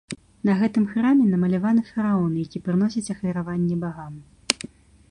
На гэтым храме намаляваны фараон, які прыносіць ахвяраванне багам.